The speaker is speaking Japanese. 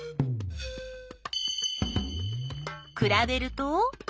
くらべると？